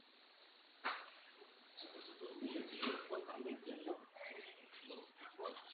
Cette démonstration a été redonnée par d'autres sans citer Knuth.